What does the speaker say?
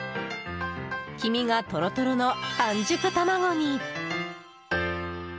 黄身がトロトロの半熟卵に。